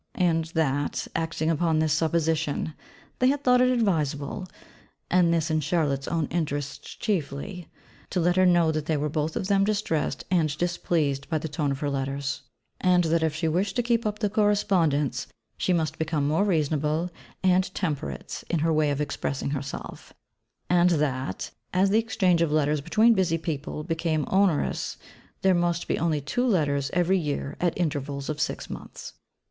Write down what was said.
And that, acting upon this supposition, they had thought it advisable (and this in Charlotte's own interests chiefly) to let her know that they were both of them distressed and displeased by the tone of her letters; and that if she wished to keep up the correspondence, she must become more reasonable and temperate in her way of expressing herself; and that, as the exchange of letters between busy people became onerous, there must be only two letters every year at intervals of six months.